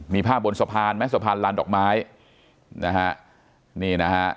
มีภาพบนสะพานไหมสะพานล้านดอกไม้นะฮะ